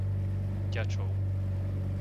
Ďačov